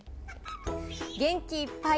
元気いっぱい！